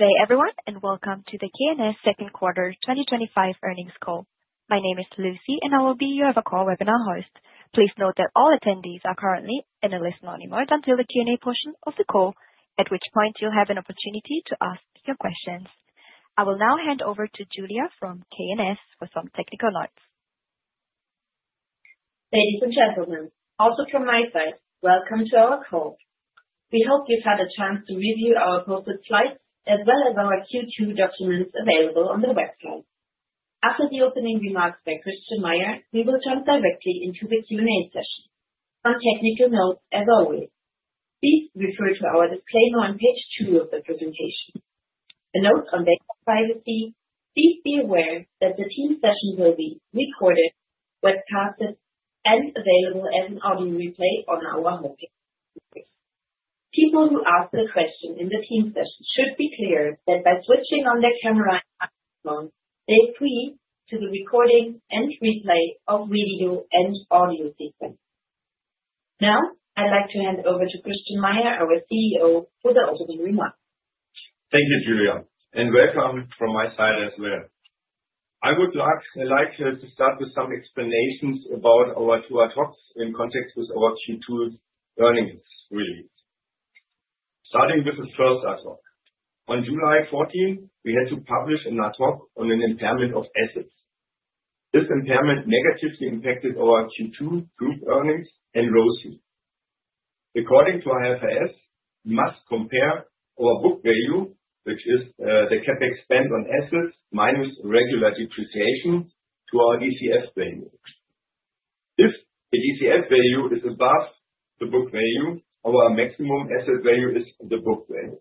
Thank you, everyone, and welcome to the K+S Second Quarter 2025 Earnings Call. My name is Lucy, and I will be your call webinar host. Please note that all attendees are currently in a listen-only mode until the Q&A portion of the call, at which point you'll have an opportunity to ask your questions. I will now hand over to Julia from K+S for some technical notes. Ladies and gentlemen. Also from my side, welcome to our call. We hope you've had a chance to review our corporate slides as well as our Q2 documents available on the website. After the opening remarks by Christian Meyer, we will jump directly into the Q&A session, our technical note as always. Please refer to our display on page two of the presentation. A note on data privacy: please be aware that the team session will be recorded, webcasted, and available as an audio replay on our homepage. People who ask a question in the team session should be clear that by switching on their camera headphones, they're free to the recording and replay of video and audio feedback. Now, I'd like to hand over to Christian Meyer, our CEO, for the opening remarks. Thank you, Julia, and welcome from my side as well. I would like to start with some explanations about our two ad hocs in context with our Q2 earnings, really. Starting with the first ad hoc. On July 14, we had to publish an ad hoc on an impairment of assets. This impairment negatively impacted our Q2 group earnings and rosters. According to IFRS, we must compare our book value, which is the CapEx spent on assets minus regular depreciation, to our DCF value. If the DCF value is above the book value, our maximum asset value is the book value.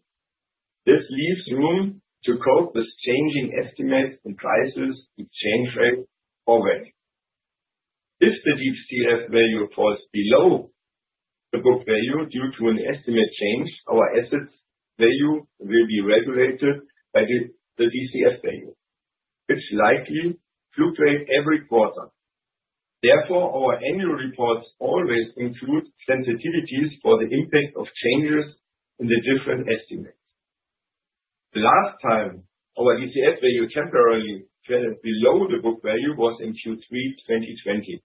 This leaves room to cope with changing estimates and prices to change rate or rate. If the DCF value falls below the book value due to an estimate change, our assets value will be regulated by the DCF value, which likely fluctuates every quarter. Therefore, our annual reports always include sensitivities for the impact of changes in the different estimates. The last time our DCF value temporarily fell below the book value was in Q3 2020.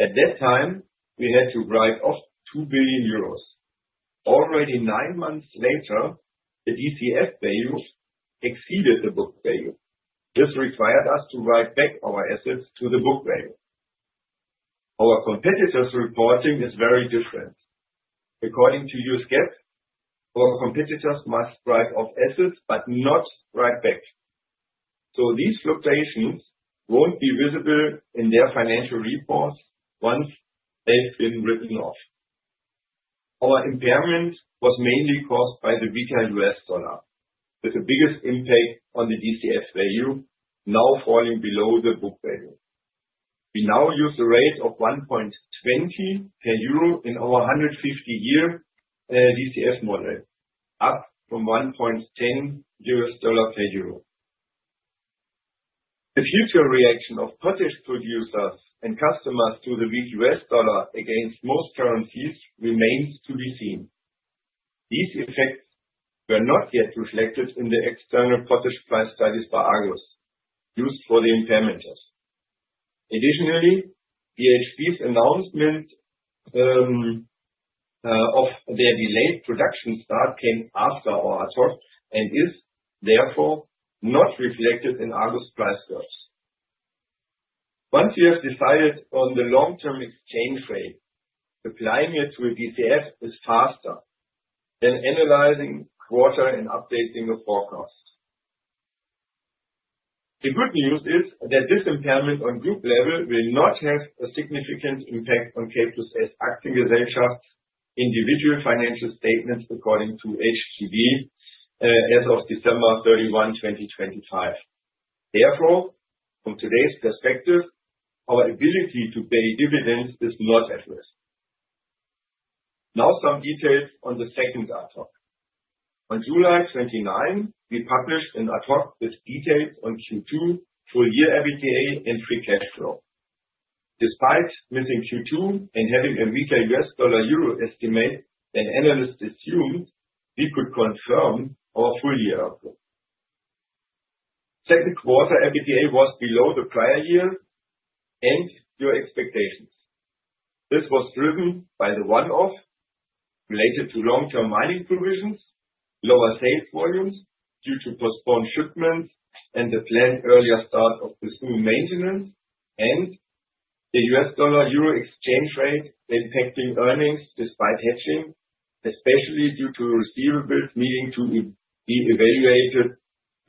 At that time, we had to write off 2 billion euros. Already nine months later, the DCF value exceeded the book value. This required us to write back our assets to the book value. Our competitors' reporting is very different. According to U.S. GAAP, our competitors must write off assets but not write back. These fluctuations won't be visible in their financial reports once they've been written off. Our impairment was mainly caused by the weaker U.S. dollar, with the biggest impact on the DCF value now falling below the book value. We now use a rate of 1.20 per euro in our 150-year DCF model, up from 1.10 U.S. dollars per euro. The future reaction of potash producers and customers to the weak U.S. dollar against most currencies remains to be seen. These effects were not yet reflected in the external potash price studies for Argus, used for the impairment test. Additionally, BHP's announcement of their delayed production start came after our ad hoc and is therefore not reflected in Argus price curves. Once we have decided on the long-term exchange rate, applying it to a DCF is faster than analyzing water and updating the forecast. The good news is that this impairment on group level will not have a significant impact on K+S's action desire, individual financial statements according to HCV as of December 31, 2025. Therefore, from today's perspective, our ability to pay dividends is not at risk. Now, some details on the second ad hoc. On July 29, we published an ad hoc with details on Q2, full-year EBITDA, and free cash flow. Despite missing Q2 and having a weaker U.S. dollar-euro estimate, an analyst assumed we could confirm our full-year outlook. Second quarter EBITDA was below the prior year and your expectations. This was driven by the one-off related to long-term mining provisions, lower sales volumes due to postponed shipments, and the planned earlier start of the school maintenance, and the U.S. dollar-euro exchange rate impacting earnings despite hedging, especially due to steel mills needing to be evaluated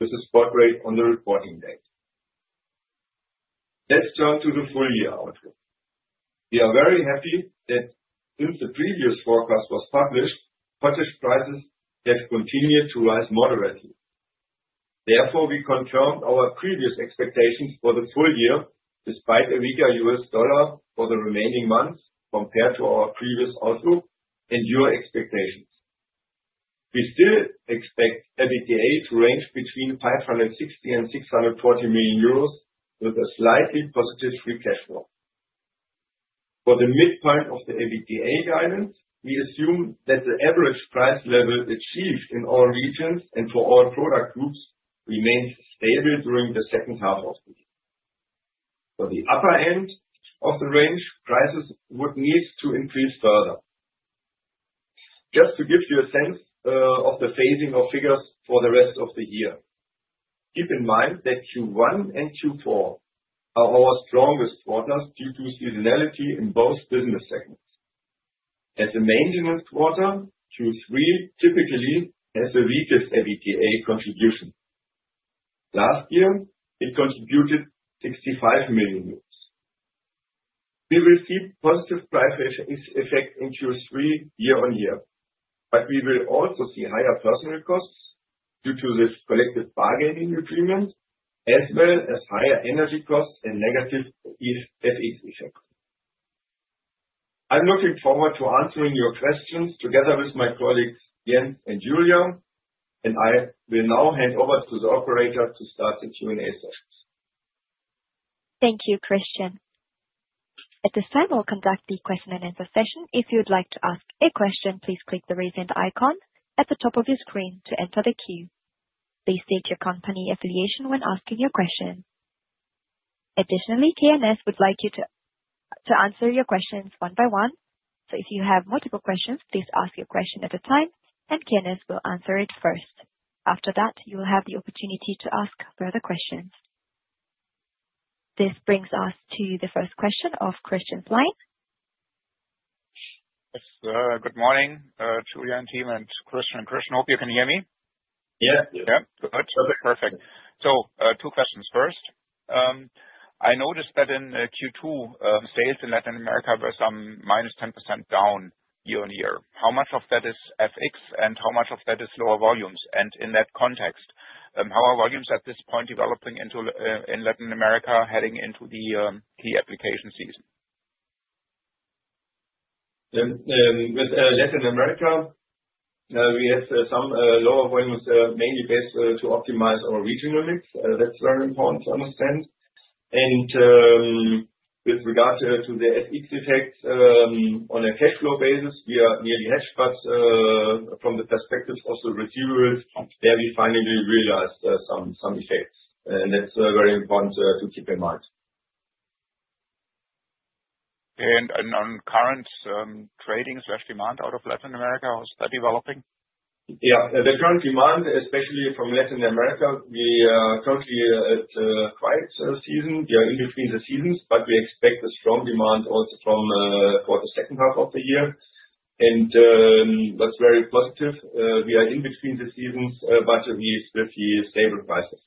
with a spot rate on the reporting date. Let's turn to the full-year outlook. We are very happy that since the previous forecast was published, potash prices have continued to rise moderately. Therefore, we confirmed our previous expectations for the full year, despite a weaker U.S. dollar for the remaining months compared to our previous outlook and your expectations. We still expect EBITDA to range between 560 million euros and EUR 620 million with a slightly positive free cash flow. For the midpoint of the EBITDA guidance, we assume that the average price level achieved in all regions and for all product groups remains stable during the second half of the year. For the upper end of the range, prices would need to increase further. Just to give you a sense of the phasing of figures for the rest of the year, keep in mind that Q1 and Q4 are our strongest quarters due to seasonality in both business segments. At the maintenance quarter, Q3 typically has the weakest EBITDA contribution. Last year, it contributed 65 million euros. We received positive price effects in Q3 year-on-year, but we will also see higher personnel costs due to this collective bargaining agreement, as well as higher energy costs and negative ESG effects. I'm looking forward to answering your questions together with my colleagues, Jens and Julia, and I will now hand over to the operator to start the Q&A session. Thank you, Christian. At this time, we'll conduct the question and answer session. If you would like to ask a question, please click the raise-hand icon at the top of your screen to enter the queue. Please state your company affiliation when asking your question. Additionally, K+S would like you to answer your questions one by one. If you have multiple questions, please ask your question at a time, and K+S will answer it first. After that, you will have the opportunity to ask further questions. This brings us to the first question of Christian's line. Yes. Good morning, Julia and team, and Christian, I hope you can hear me. Yeah. Yeah. Yeah. Good. Perfect. Two questions. First, I noticed that in Q2, sales in Latin America were some -10% down year-on-year. How much of that is FX, and how much of that is lower volumes? In that context, how are volumes at this point developing in Latin America heading into the key application season? With Latin America, now we have some lower volumes mainly based to optimize our regional needs. That is very important to understand. With regard to the SE defects, on a cash flow basis, we are near the edge, but from the perspective of the residual, there we finally realized some effects. That is very important to keep in mind. On current trading/demand out of Latin America, how is that developing? Yeah. The current demand, especially from Latin America, we are currently at the quiet season. We are in between the seasons, but we expect a strong demand also from the second half of the year. That's very positive. We are in between the seasons, but we've stabilized it.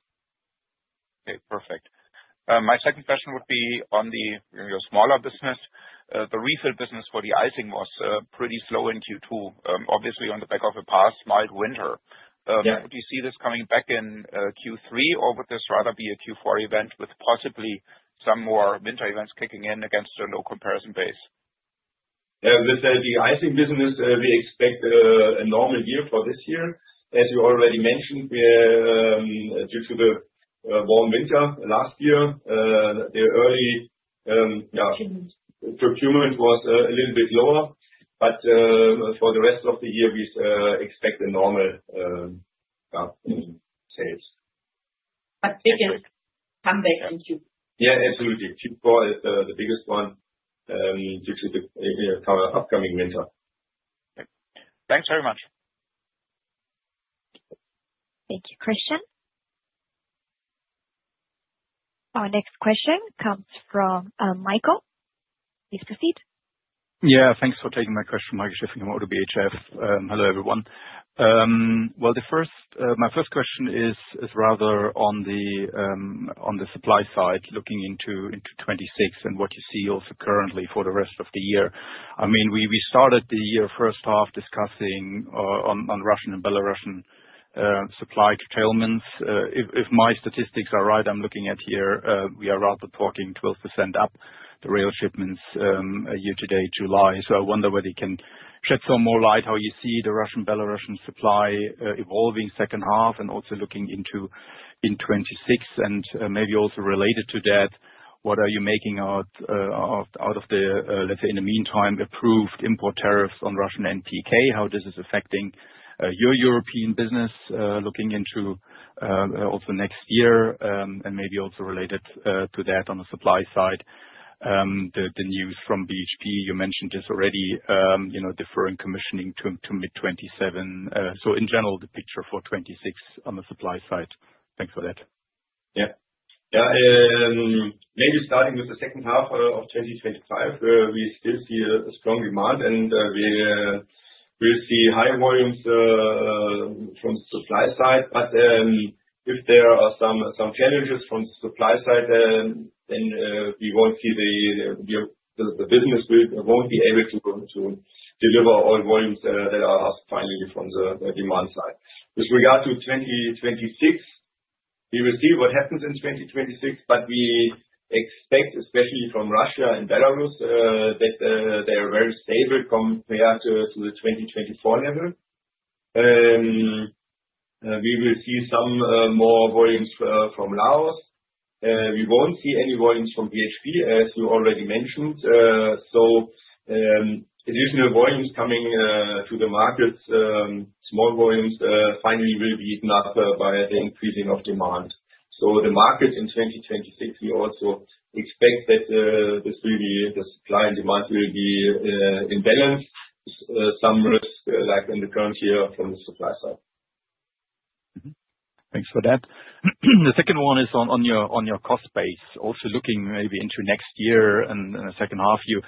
Okay. Perfect. My second question would be on your smaller business. The refill business for de-icing salt was pretty slow in Q2, obviously on the back of a past mild winter. Yeah. Do you see this coming back in Q3, or would this rather be a Q4 event with possibly some more winter events kicking in against your low comparison base? Yeah. With the de-icing salt business, we expect a normal year for this year. As you already mentioned, due to the warm winter last year, the early procurement was a little bit lower. For the rest of the year, we expect a normal sale. I think it's coming. Yeah. Thank you. Yeah, absolutely. Q4 is the biggest one, I mean, due to the upcoming winter. Thanks very much. Thank you, Christian. Our next question comes from Michael. Please proceed. Yeah. Thanks for taking my question, Michael Schaefer from ODDO BHF. Hello, everyone. My first question is rather on the supply side, looking into 2026 and what you see also currently for the rest of the year. I mean, we started the year first half discussing on Russian and Belarusian supply curtailments. If my statistics are right, I'm looking at here, we are rather talking 12% up the rail shipments year to date, July. I wonder whether you can shed some more light on how you see the Russian-Belarusian supply evolving second half and also looking into 2026. Maybe also related to that, what are you making out of the, let's say, in the meantime, approved import tariffs on Russian NTK? How this is affecting your European business, looking into also next year, and maybe also related to that on the supply side. The news from BHP, you mentioned this already, you know, deferring commissioning to mid 2027. In general, the picture for 2026 on the supply side, and for that. Yeah. Maybe starting with the second half of 2025, we still see a strong demand, and we will see high volumes from the supply side. If there are some challenges from the supply side, then we won't see the business. We won't be able to deliver all volumes that are asked finally from the demand side. With regard to 2026, we will see what happens in 2026, but we expect, especially from Russia and Belarus, that they are very stable compared to the 2024 level. We will see some more volumes from Laos. We won't see any volumes from BHP, as you already mentioned. Additional volumes coming to the markets, more volumes finally will be enough by the increasing of demand. The market in 2026, we also expect that the supply and demand will be in balance, some red flags in the front here from the supply side. Thanks for that. The second one is on your cost base. Also, looking maybe into next year and the second half, you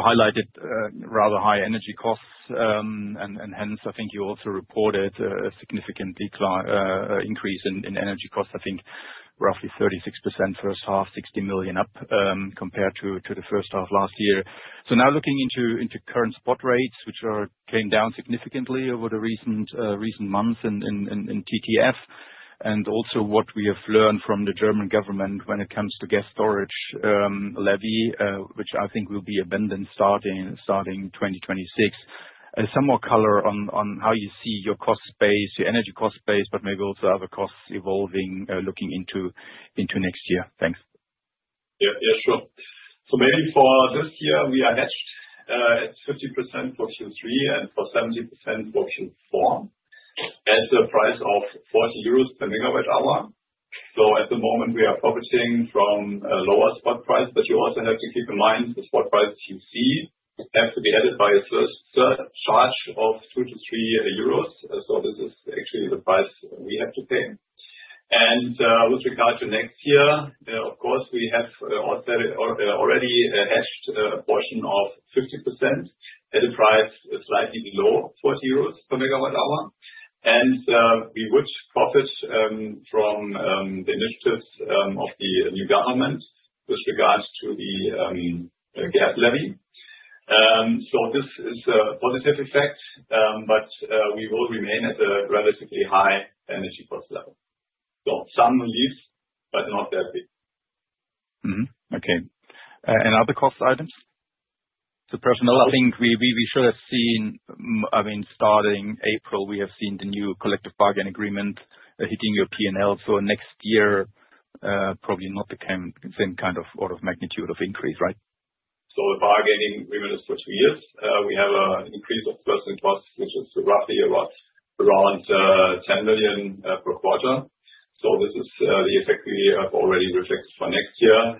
highlighted rather high energy costs. I think you also reported a significant increase in energy costs, I think roughly 36% first half, $60 million up compared to the first half last year. Now looking into current spot rates, which came down significantly over the recent months in TTF, and also what we have learned from the German government when it comes to gas storage levy, which I think will be abundant starting 2026. Could you give some more color on how you see your cost base, your energy cost base, but maybe also other costs evolving looking into next year? Thanks. Sure. Maybe for this year, we are at 50% for Q3 and 70% for Q4. That's a price of 40 euros per megawatt hour. At the moment, we are purchasing from a lower spot price to yours, and I think keep in mind the spot price you see has to be added by a certain charge of 23 euros. This is actually the price we have to pay. With regard to next year, of course, we have already added a portion of 20% at a price slightly below 40 euros per megawatt hour. We would profit from the needs of the new government with regards to the gas levy. This is a positive effect, but we will remain at a relatively high energy cost level. Some relief, but not very. Okay. Other cost items? The personnel. I think we should have seen, I mean, starting April, we have seen the new collective bargaining agreement hitting your P&L. Next year, probably not the same kind of order of magnitude of increase, right? The bargaining we will focus on. We have an increase of personnel, which is roughly about 10 million per quarter. This is the effect we have already reflected for next year.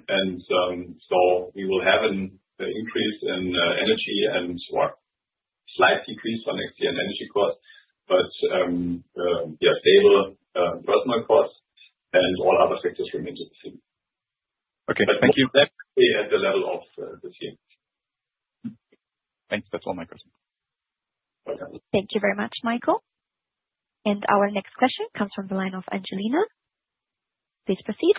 We will have an increase in energy and a slight decrease for next year in energy costs, but we have stable personnel costs and all other fixed expenses. Okay, thank you. At the level of the team. Thanks. That's all my questions. Thank you very much, Michael. Our next question comes from the line of Angelina. Please proceed.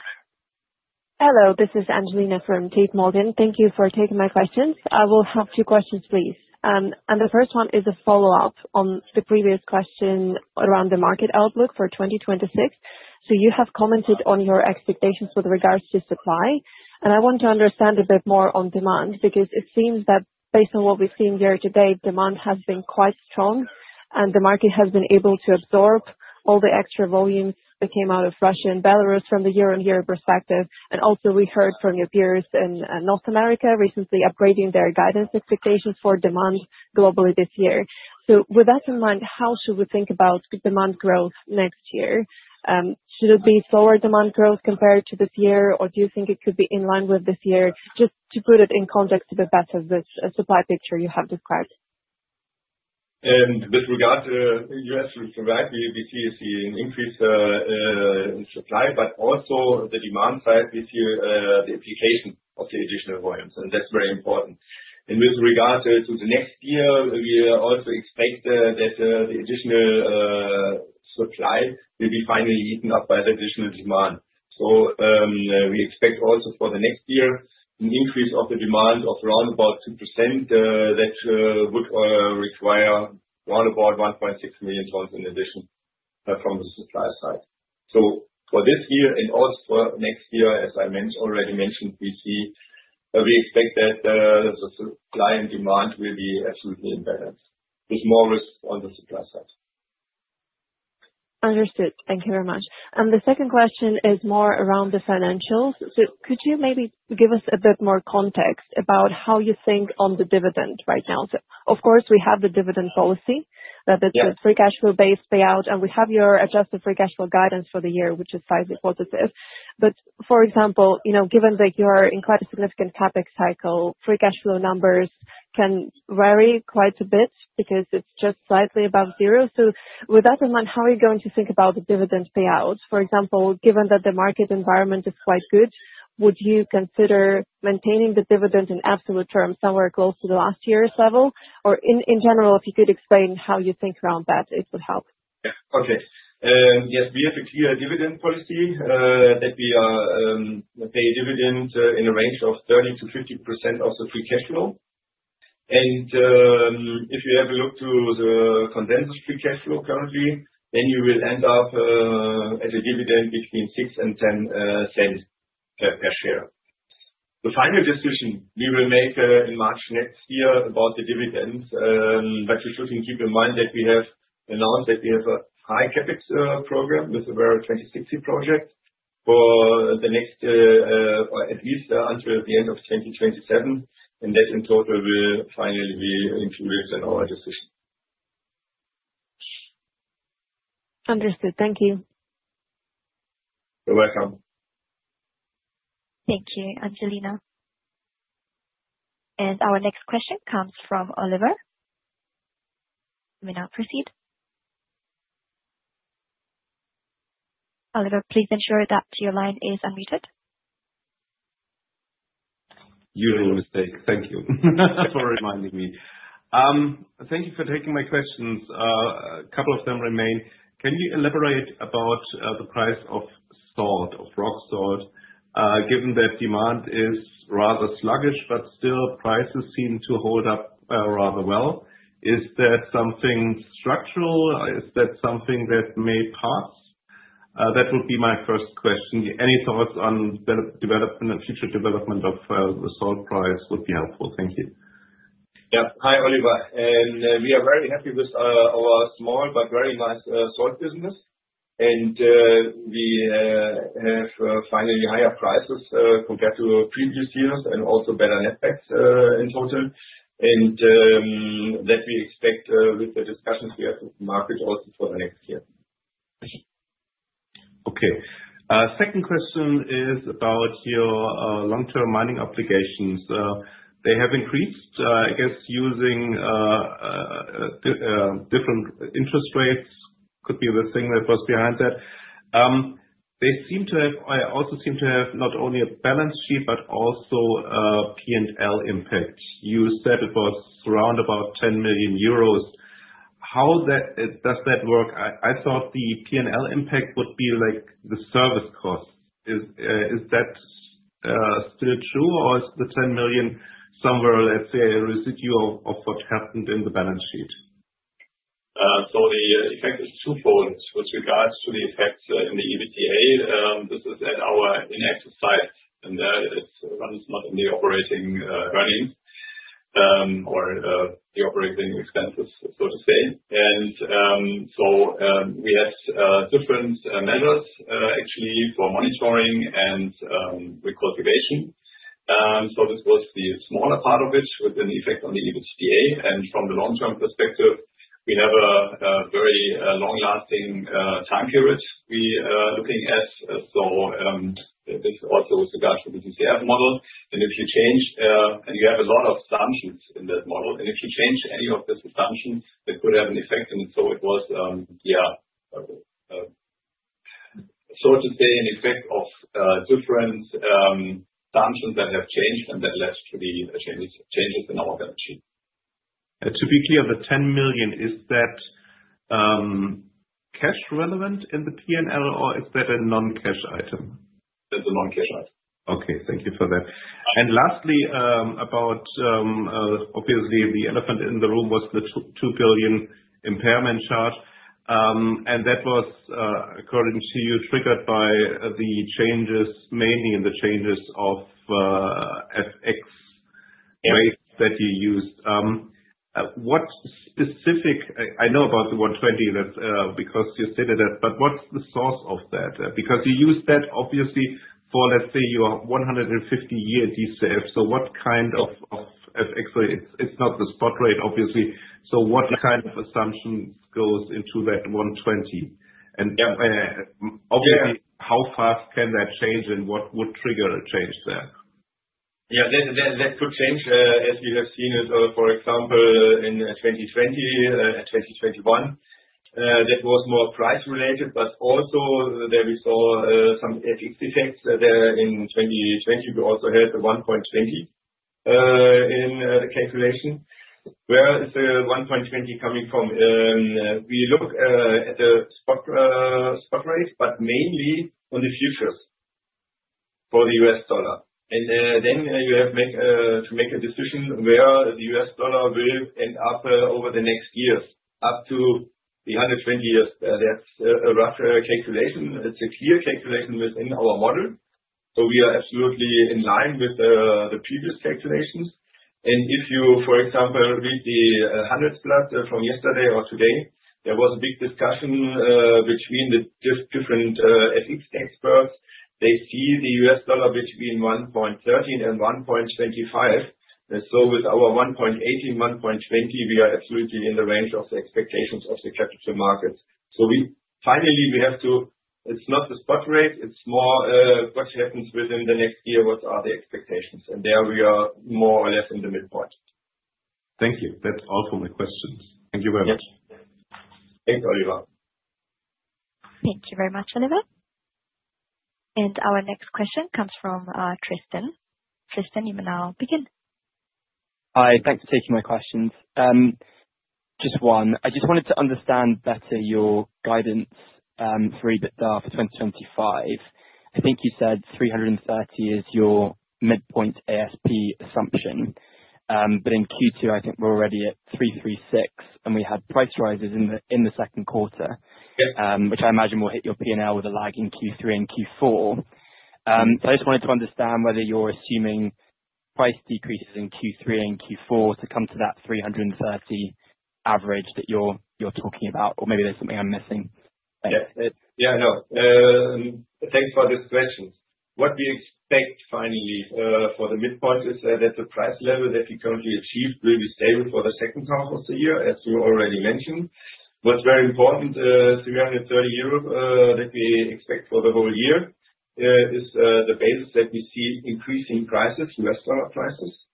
Hello. This is Angelina from Tate Morgan. Thank you for taking my questions. I will have two questions, please. The first one is a follow-up on the previous question around the market outlook for 2026. You have commented on your expectations with regards to supply. I want to understand a bit more on demand because it seems that based on what we're seeing year to date, demand has been quite strong and the market has been able to absorb all the extra volume that came out of Russia and Belarus from the year-on-year perspective. We heard from your peers in North America recently upgrading their guidance expectations for demand globally this year. With that in mind, how should we think about demand growth next year? Should it be slower demand growth compared to this year, or do you think it could be in line with this year? Just to put it in context a bit better, this supply picture you have described. With regard to the U.S., we see an increase in supply, but also on the demand side, we see the application of the additional volumes. That's very important. With regard to next year, we also expect that the additional supply will be finally eaten up by the additional demand. We expect also for next year an increase of the demand of around 2% that would require around 1.6 million tons in addition from the supply side. For this year and also for next year, as I already mentioned, we expect that the supply and demand will be absolutely with more risk on the supply side. Understood. Thank you very much. The second question is more around the financials. Could you maybe give us a bit more context about how you think on the dividend right now? Of course, we have the dividend policy, the free cash flow-based payout, and we have your adjusted free cash flow guidance for the year, which is slightly positive. For example, given that you're in quite a significant CapEx cycle, free cash flow numbers can vary quite a bit because it's just slightly above zero. With that in mind, how are you going to think about the dividend payout? For example, given that the market environment is quite good, would you consider maintaining the dividend in absolute terms somewhere close to last year's level? In general, if you could explain how you think around that, it would help. Okay. Yes, we have a clear dividend policy that we are paying dividends in a range of 30%-50% of the free cash flow. If you have a look to the condensed free cash flow currently, then you will end up as a dividend between 0.06 and 0.10 per share. The final decision we will make in March next year about the dividends, but we should keep in mind that we have announced that we have a high CapEx program with a 2060 project for the next at least until the end of 2027. That in total will finally be included in our decision. Understood. Thank you. Thank you, Angelina. Our next question comes from Oliver. You may now proceed. Oliver, please ensure that your line is unmuted. Thank you for reminding me. Thank you for taking my questions. A couple of them remain. Can you elaborate about the price of salt, of rock salt? Given that demand is rather sluggish, but still prices seem to hold up rather well, is that something structural? Is that something that may pass? That would be my first question. Any thoughts on the development and future development of the salt price would be helpful. Thank you. Yeah. Hi, Oliver. We are very happy with our small but very nice salt business. We have finally higher prices compared to previous years and also better net packs in total. We expect with the discussions here with the market also for the next year. Okay. Second question is about your long-term mining obligations. They have increased, I guess, using different interest rates. Could be the thing that was behind that. They seem to have, I also seem to have not only a balance sheet, but also a P&L impact. You said it was around about 10 million euros. How does that work? I thought the P&L impact would be like the service cost. Is that still true, or is the 10 million somewhere, let's say, a residue of what happened in the balance sheet? The effect is twofold with regards to the effects in the ETA and our net society. That is not really operating revenue or the operating expenses for the same. We have different levels, actually, for monitoring and the coordination. This was the smaller part of it within the ETA and some long-term effects. We have a very long-lasting time period we are looking at. It's also with regards to the DCF model. If you change, we have a lot of assumptions in that model. If you change any of those assumptions, it could have an effect. It was, so to say, an effect of different assumptions that have changed and that led to the changes in our guarantee. To be clear, the 10 million, is that cash relevant in the P&L, or is that a non-cash item? Non-cash item. Okay. Thank you for that. Lastly, obviously, the elephant in the room was the 2 billion impairment charge. That was, according to you, triggered mainly by the changes in the FX rate that you used. What specific, I know about the 1.20 because you stated that, but what's the source of that? You use that, obviously, for, let's say, your 150-year DCF. What kind of FX rate? It's not the spot rate, obviously. What kind of assumption goes into that 1.20? How fast can that change and what would trigger a change there? Yeah. That could change, as you have seen, for example, in 2020 and 2021. That was more price-related, but also there we saw some FX effects. In 2020, we also had the 1.20 in the cash relation. Where is the 1.20 coming from? We look at the spot rate, but mainly on the futures for the U.S. dollar. Then you have to make a decision where the U.S. dollar will end up over the next years, up to the 120 years. That's a rough calculation. That's a clear calculation within our model. We are absolutely in line with the previous calculations. If you, for example, read the 100 plus from yesterday or today, there was a big discussion between the different FX experts. They see the U.S. dollar between 1.13 and 1.25. With our 1.18, 1.20, we are absolutely in the range of the expectations of the capital market. Finally, we have to, it's not the spot rate. It's more what happens within the next year, what are the expectations. There we are more or less in the midpoint. Thank you. That's all for my questions. Thank you very much. Thank you, Oliver. Thank you very much, Oliver. Our next question comes from Tristan. Tristan, you may now begin. Hi. Thanks for taking my questions. Here's one. I just wanted to understand better your guidance for EBITDA for 2025. I think you said 330 is your midpoint ASP assumption. In Q2, I think we're already at 336, and we had price rises in the second quarter, which I imagine will hit your P&L with a lag in Q3 and Q4. I just wanted to understand whether you're assuming price decreases in Q3 and Q4 to come to that $330 average that you're talking about, or maybe there's something I'm missing. Yeah. No. Thanks for this question. What we expect finally for the midpoint is that the price level that we currently achieve will be stable for the second half of the year, as you already mentioned. What's very important, 330 euro that we expect for the whole year is the basis that we see increasing prices, U.S. dollar prices.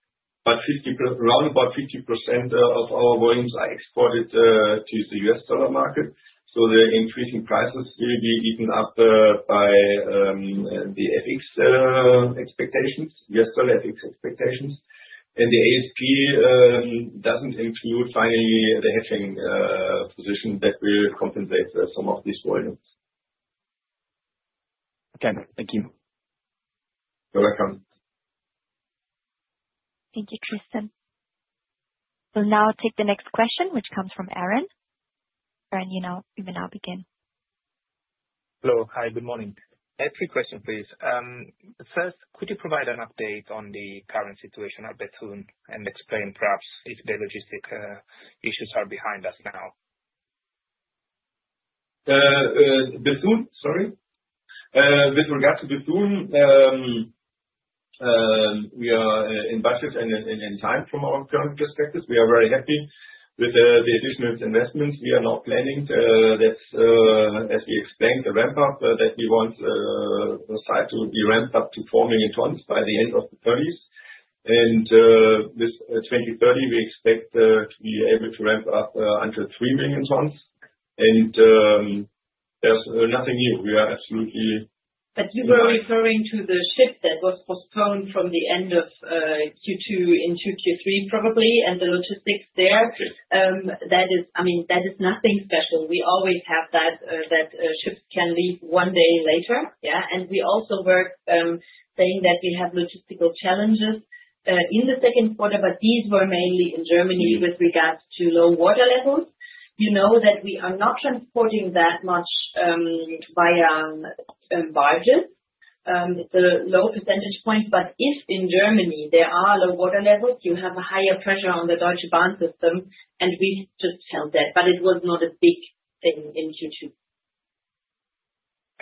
Around 50% of our volumes are exported to the U.S. dollar market. The increasing prices will be eaten up by the FX expectations, U.S. dollar FX expectations. The ASP doesn't include finally the hedging decision that will compensate for some of these volumes. Okay, thank you. You're welcome. Thank you, Tristan. We'll now take the next question, which comes from Aaron. Aaron, you may now begin. Hello. Good morning. I have three questions, please. First, could you provide an update on the current situation at Bethune and explain perhaps if the logistic issues are behind us now? With regards to Bethune, we are in budget and in time from our current perspective. We are very happy with the additional investments we are now planning. As we explained to Ramp-Up, we want the site to be ramped up to 4 million tons by the end of the 2030s. With 2030, we expect to be able to ramp up until 3 million tons. There is nothing new. We are absolutely. As you were referring to the shift that was postponed from the end of Q2 in Q3, probably, and the logistics there, that is nothing special. We always have that shift can leave one day later. Yeah. We also were saying that we have logistical challenges in the second quarter, but these were mainly in Germany with regards to low water levels. You know that we are not transporting that much via barges, the low percentage points. If in Germany there are low water levels, you have a higher pressure on the Deutsche Bahn system, and we should sell that. It was not a big thing in Q2.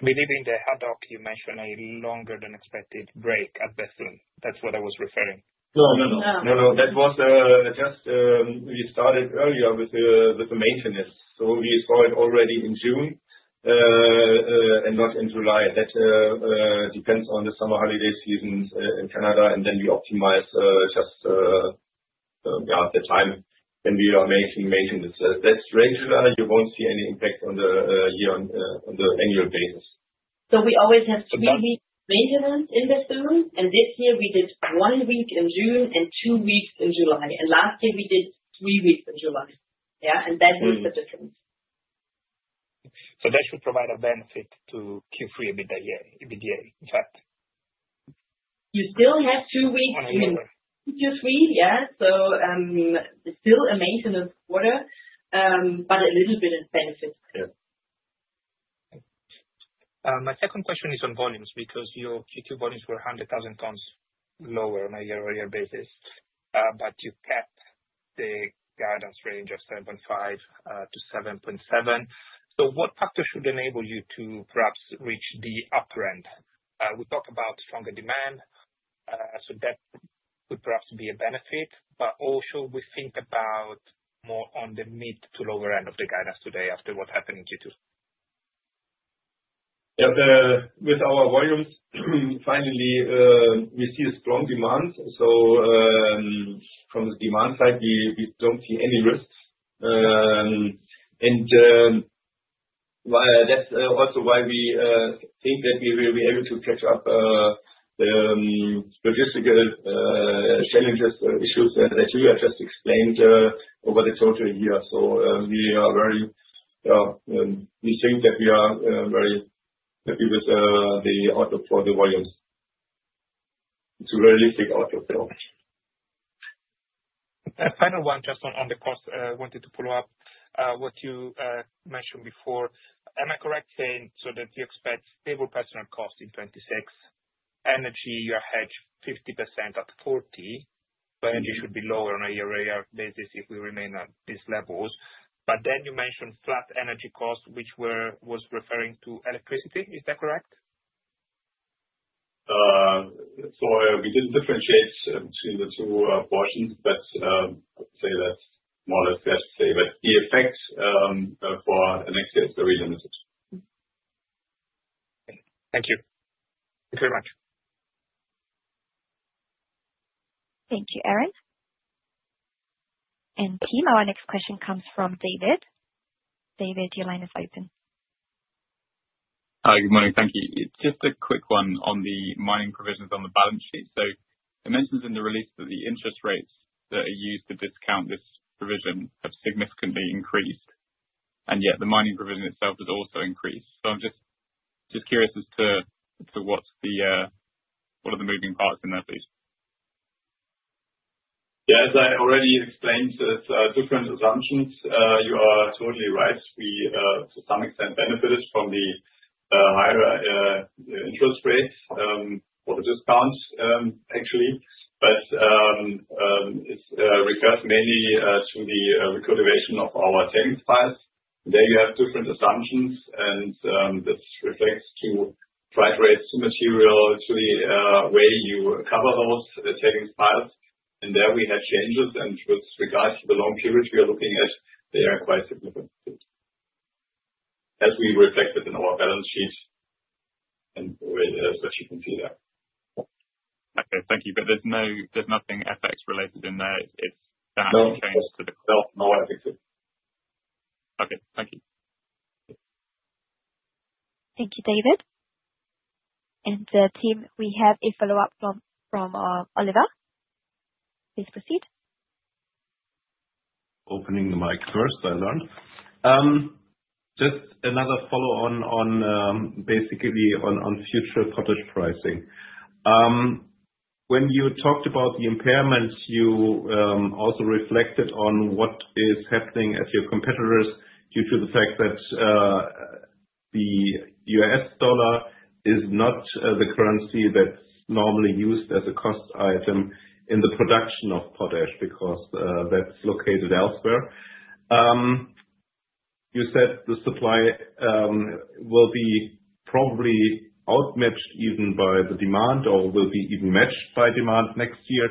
We didn't hear you mentioning a longer than expected break at Bethune. That's what I was referring to. No, that was just we started earlier with the maintenance. We saw it already in June and not in July. That depends on the summer holiday seasons in Canada, and we optimize just the time when we are making maintenance. Strangely enough, you won't see any impact on the year on the annual basis. We always have three weeks of maintenance in Bethune. This year, we did one week in June and two weeks in July. Last year, we did three weeks in July. That was the difference. That should provide a benefit to Q3 immediately, in fact. You still have two weeks in Q3. It's still a maintenance quarter, but a little bit expensive. My second question is on volumes because your Q2 volumes were 100,000 tons lower on a year-over-year basis, but you kept the guidance range of 7.5-7.7. What factors should enable you to perhaps reach the upper end? We talk about stronger demand. That could perhaps be a benefit. We think about more on the mid to lower end of the guidance today after what happened in Q2. With our volumes, finally, we see a strong demand. From the demand side, we don't see any risks. That's also why we think that we will be able to catch up with difficult challenges, issues, as Julia just explained, over the total year. We are very happy with the outlook for the volume. It's a realistic outlook, though. A final one just on the cost. I wanted to follow up what you mentioned before. Am I correct saying so that you expect stable personnel costs in 2026? Energy, you hedge 50% at 40. Energy should be lower on a year-over-year basis if we remain at these levels. You mentioned flat energy costs, which was referring to electricity. Is that correct? We didn't differentiate between the two or heat, but say that's more or less the effects for next year's reasons. Thank you. Thank you very much. Thank you, Aaron. Our next question comes from David. David, your line is open. Hi. Good morning. Thank you. It's just a quick one on the mining provisions on the balance sheet. It mentions in the release that the interest rates that are used to discount this provision have significantly increased, yet the mining provision itself has also increased. I'm just curious as to what the, what are the moving parts in that, please. Yeah. As I already explained, there are different assumptions. You are totally right. We, to some extent, benefited from the higher interest rates, with the discounts, actually. It's discussed mainly through the recuperation of our savings files. You have different assumptions, and this reflects to dry breakthrough material, actually, where you cover those savings files. There we had changes. With regards to the long periods, we are looking at they are quite, as we reflect our balance sheet. Okay. Thank you. There's nothing FX related in there. It's that change to the. No. Okay, thank you. Thank you, David. The team, we have a follow-up from Oliver. Please proceed. Opening the mic first, I learned. Just another follow-up on, basically, on future potash pricing. When you talked about the impairments, you also reflected on what is happening at your competitors due to the fact that the U.S. dollar is not the currency that's normally used as a cost item in the production of potash because that's located elsewhere. You said the supply will be probably outmatched even by the demand or will be even matched by demand next year.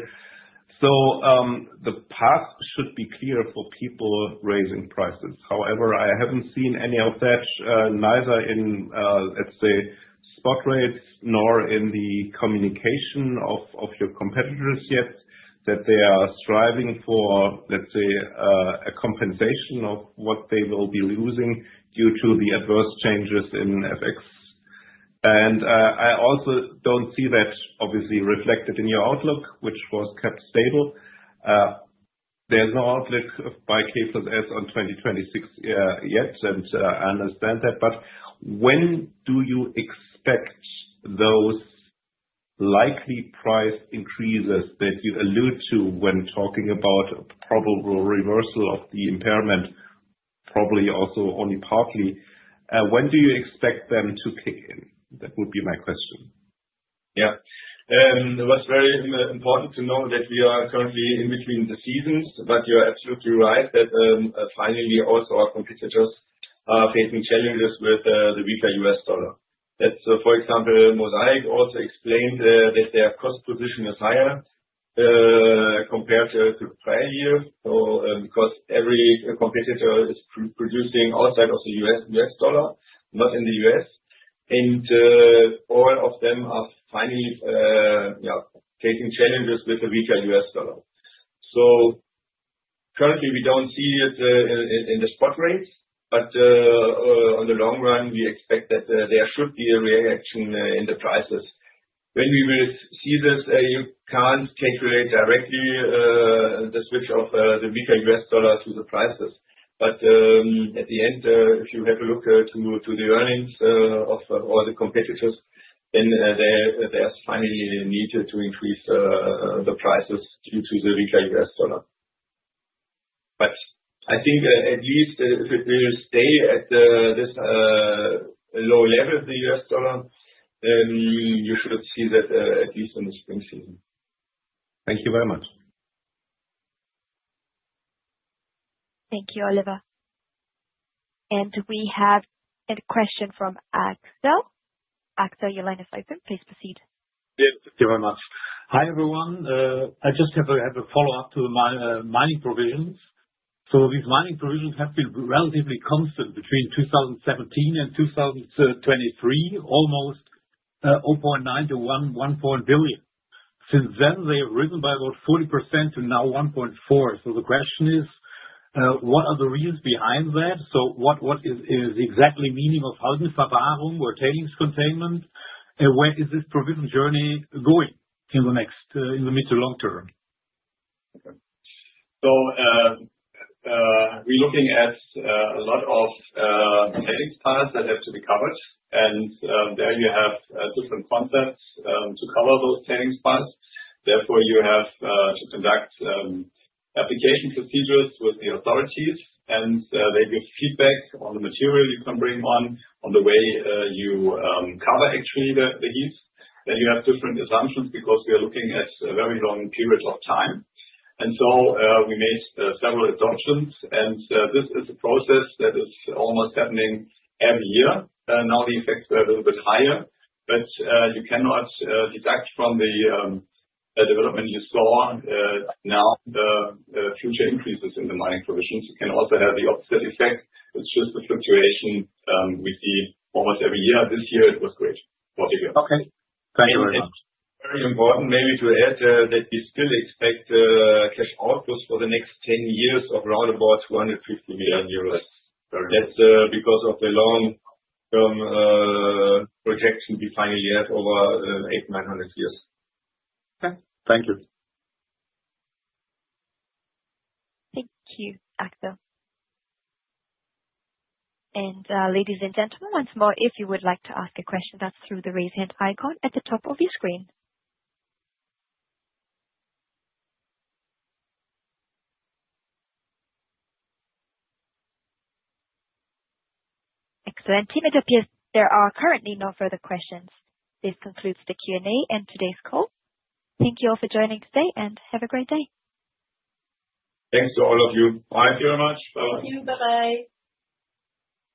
The path should be clear for people raising prices. However, I haven't seen any of that neither in, let's say, spot rates nor in the communication of your competitors yet that they are striving for, let's say, a compensation of what they will be losing due to the adverse changes in FX. I also don't see that, obviously, reflected in your outlook, which was kept stable. There's no outlook of K+S on 2026 yet, and I understand that. When do you expect those likely price increases that you allude to when talking about a probable reversal of the impairment, probably also only partly? When do you expect them to kick in? That would be my question. Yeah. It was very important to know that we are currently in between the seasons, but you are absolutely right that finally, also, our competitors are facing challenges with the weaker U.S. dollar. For example, Mosaic also explained that their cost position is higher compared to the prior year. Every competitor is producing outside of the U.S. dollar, not in the U.S., and all of them are finally facing challenges with the weaker U.S. dollar. Currently, we don't see it in the spot rates, but in the long run, we expect that there should be a reaction in the prices. When we will see this, you can't take away directly the switch of the weaker U.S. dollar to the prices. At the end, if you have a look at the earnings of all the competitors, then there's finally a need to increase the prices due to the weaker U.S. dollar. I think at least if we will stay at this low level of the U.S. dollar, then you should see that at least in the spring season. Thank you very much. Thank you, Oliver. We have a question from Axel. Axel, your line is open. Please proceed. Yeah. Thank you very much. Hi, everyone. I just have a follow-up to the mining provisions. These mining provisions have been relatively constant between 2017 and 2023, almost 0.9 to 1.1 billion. Since then, they've risen by about 40% to now 1.4 billion. The question is, what are the reasons behind that? What is the exact meaning of Algenverwahrung or tailings containment? Where is this provision journey going in the mid to long term? We're looking at a lot of tailings plants that have to be covered. There you have different contracts to cover those tailings plants. Therefore, you have to conduct application procedures with the authorities, and they give feedback on the material you can bring on, on the way you cover, HP the heat. You have different assumptions because we are looking at very long periods of time. We made several adoptions, and this is a process that is almost happening every year. Now, the effects are a little bit higher, but you cannot detect from the development you saw now the future increases in the mining provisions. You can also have the opposite effect, which is the fluctuation we see almost every year. This year, it was great, what do you feel? Okay, thank you very much. Very important, maybe to add that we still expect such outputs for the next 10 years of around about [150 billion euros]. That's because of the long-term projection we finally have over 800, 900 years. Okay, thank you. Thank you, Axel. Ladies and gentlemen, once more, if you would like to ask a question, that's through the raise-hand icon at the top of your screen. Excellent. It appears there are currently no further questions. This concludes the Q&A and today's call. Thank you all for joining today, and have a great day. Thanks to all of you. Thank you very much. Bye-bye. Thank you. Bye.